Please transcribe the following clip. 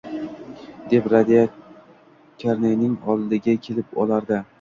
deb radiokarnayning oldiga kelib olardi.